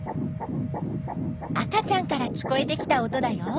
赤ちゃんから聞こえてきた音だよ。